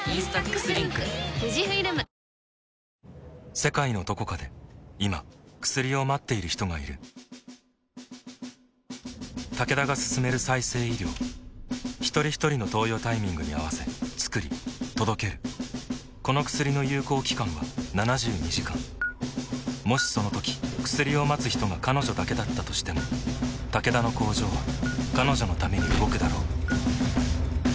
世界のどこかで今薬を待っている人がいるタケダが進める再生医療ひとりひとりの投与タイミングに合わせつくり届けるこの薬の有効期間は７２時間もしそのとき薬を待つ人が彼女だけだったとしてもタケダの工場は彼女のために動くだろう